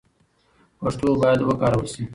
پښتو باید وکارول سي.